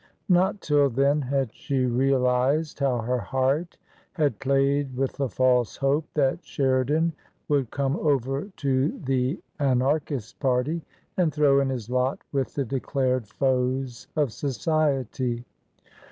Not till then had she realized how her heart had played with the false hope that Sheridan would come over to the Anarchist party, and throw in his lot with the declared foes of society.